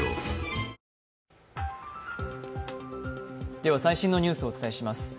では、最新のニュースをお伝えします。